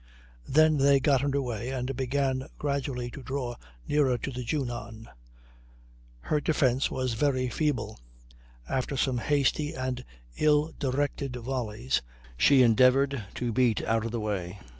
Then they got under way, and began gradually to draw nearer to the Junon. Her defence was very feeble; after some hasty and ill directed vollies she endeavored to beat out of the way.